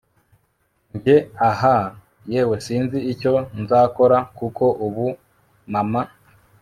Njye ahaaa yewe sinzi icyo nzakora kuko ubu mama